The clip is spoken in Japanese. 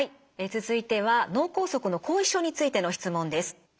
続いては脳梗塞の後遺症についての質問です。